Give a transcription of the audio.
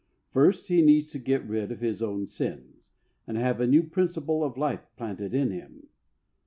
First, he needs to get rid of his own sins, and have a new principle of life planted in him.